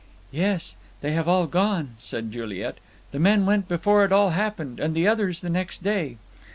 "Yes, they have all gone," said Juliet. "The men went before it all happened, and the others the next day.